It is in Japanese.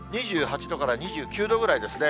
２８度から２９度ぐらいですね。